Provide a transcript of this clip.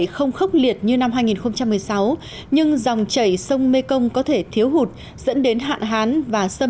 không khốc liệt như năm hai nghìn một mươi sáu nhưng dòng chảy sông mê công có thể thiếu hụt dẫn đến hạn hán và xâm